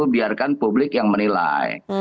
biarkan publik yang menilai